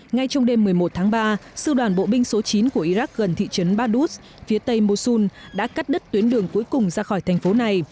ngay trong đêm một mươi một tháng ba sư đoàn bộ binh số chín của iraq gần thị trấn baduz phía tây mosun đã cắt đứt tuyến đường cuối cùng ra khỏi thành phố này